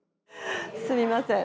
すみません